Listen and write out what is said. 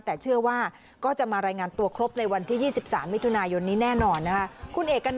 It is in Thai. แต่เชื่อว่าก็จะมารายงานตัวครบในวันที่๒๓มิถุนายนนี้แน่นอนนะคะ